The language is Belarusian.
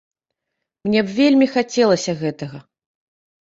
Мне б вельмі хацелася гэтага.